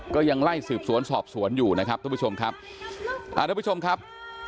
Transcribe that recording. ก็ยังไล่สืบสวนสอบสวนอยู่นะครับทุกผู้ชมครับ